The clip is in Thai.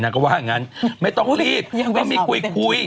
นางกอว่างันไม่ต้องรีบก็ไม่คุย